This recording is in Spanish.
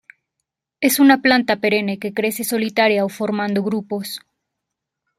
Es una planta perenne que crece solitaria o formando grupos.